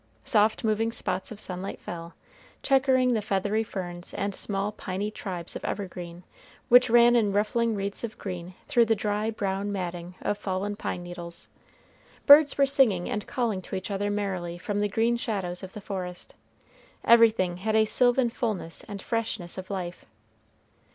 Soft moving spots of sunlight fell, checkering the feathery ferns and small piney tribes of evergreen which ran in ruffling wreaths of green through the dry, brown matting of fallen pine needles. Birds were singing and calling to each other merrily from the green shadows of the forest, everything had a sylvan fullness and freshness of life.